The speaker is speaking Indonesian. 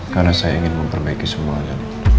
karena saya ingin memperbaiki semuanya